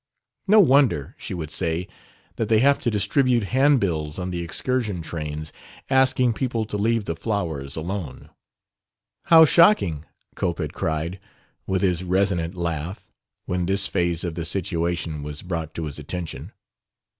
"No wonder," she would say, "that they have to distribute handbills on the excursion trains asking people to leave the flowers alone!" "How shocking!" Cope had cried, with his resonant laugh, when this phase of the situation was brought to his attention.